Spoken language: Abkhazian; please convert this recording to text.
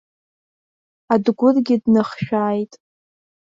Адгәыргьы дныхшәааит.